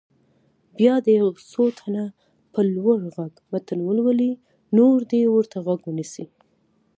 بیا دې څو تنه په لوړ غږ متن ولولي نور دې ورته غوږ ونیسي.